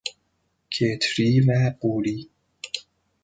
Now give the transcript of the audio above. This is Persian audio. کتری و قوری